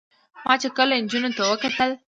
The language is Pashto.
ما چې کله نجونو ته کتل